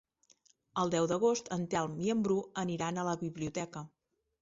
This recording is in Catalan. El deu d'agost en Telm i en Bru aniran a la biblioteca.